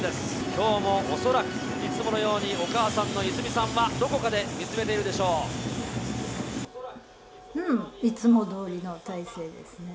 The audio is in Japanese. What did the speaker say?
きょうも恐らく、いつものようにお母さんのいずみさんは、どこかで見つめているでうん、いつもどおりの大勢ですね。